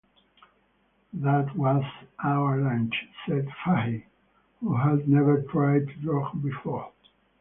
"That was our lunch" said Fahey, who had never tried the drug before.